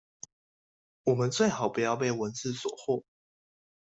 我們最好不要被文字所惑